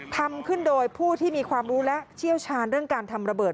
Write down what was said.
ทำขึ้นโดยผู้ที่มีความรู้และเชี่ยวชาญเรื่องการทำระเบิด